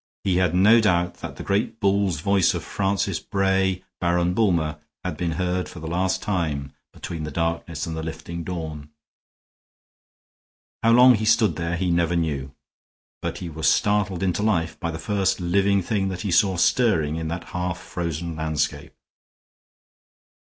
He had no doubt that the great bull's voice of Francis Bray, Baron Bulmer, had been heard for the last time between the darkness and the lifting dawn. How long he stood there he never knew, but he was startled into life by the first living thing that he saw stirring in that half frozen landscape.